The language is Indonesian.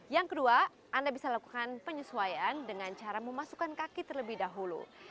yang kedua anda bisa lakukan penyesuaian dengan cara memasukkan kaki terlebih dahulu